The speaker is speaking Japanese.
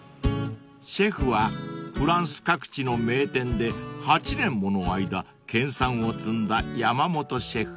［シェフはフランス各地の名店で８年もの間研さんを積んだ山本シェフ］